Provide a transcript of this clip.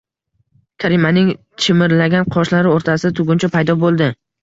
Karimaning chimirilgan qoshlari o`rtasida tuguncha paydo bo`ldi